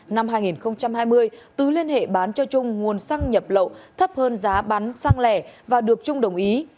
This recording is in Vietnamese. năm hai nghìn hai mươi tứ liên hệ bán cho trung nguồn xăng nhập lậu thấp hơn giá bán xăng lẻ và được trung đồng ý